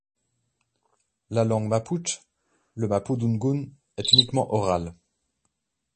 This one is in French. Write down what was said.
La langue mapuche, le mapudungun, est uniquement orale.